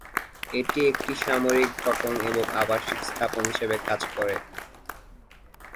এটি একটি সামরিক ঘাঁটি এবং আবাসিক স্থাপনা হিসেবে কাজ করে।